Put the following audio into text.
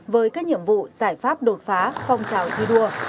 với các nhiệm vụ giải pháp đột phá phong trào thi đua